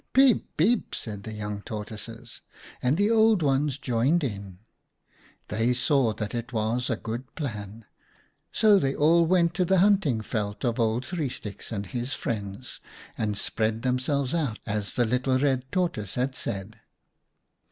"■ Peep ! peep !' said the young Tortoises, and the Old Ones joined in. They saw that it was a good plan, so they all went to the hunting veld of Old Three Sticks and his friends and spread themselves out, as the little Red Tortoise had said.